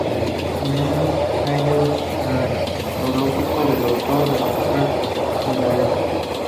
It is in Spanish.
Es una thriller ontológico del autor de la mujer de la arena.